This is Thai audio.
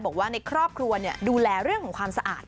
บอกว่าในครอบครัวดูแลเรื่องของความสะอาด